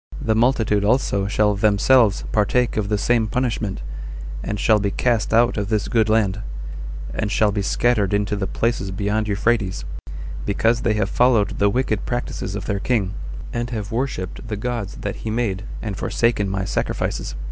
The multitude also shall themselves partake of the same punishment, and shall be cast out of this good land, and shall be scattered into the places beyond Euphrates, because they have followed the wicked practices of their king, and have worshipped the gods that he made, and forsaken my sacrifices.